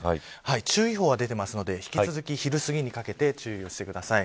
注意報は出ていますので引き続き昼すぎにかけて注意してください。